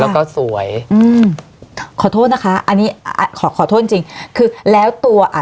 แล้วก็สวยอืมขอโทษนะคะอันนี้ขอขอโทษจริงจริงคือแล้วตัวอ่ะ